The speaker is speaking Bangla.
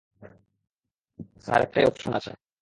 স্যার, একটাই অপশন আছে।